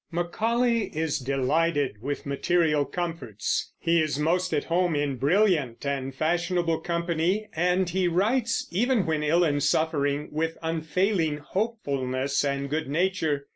Macaulay is delighted with material comforts; he is most at home in brilliant and fashionable company; and he writes, even when ill and suffering, with unfailing hopefulness and good nature.